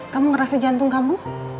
kamu ngerasa jantung kamu